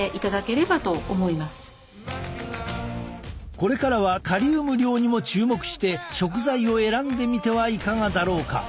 これからはカリウム量にも注目して食材を選んでみてはいかがだろうか。